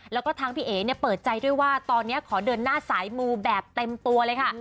แล้วก็ทางพี่เอ๋เปิดใจด้วยว่าตอนนี้ขอเดินหน้าสายมูแบบเต็มตัวเลยค่ะ